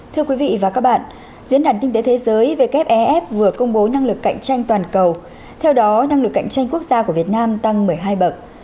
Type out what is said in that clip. thưa quý vị và các bạn diễn đàn kinh tế thế giới wfef vừa công bố năng lực cạnh tranh toàn cầu theo đó năng lực cạnh tranh quốc gia của việt nam tăng một mươi hai bậc